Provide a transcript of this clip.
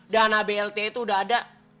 dana blt itu udah ada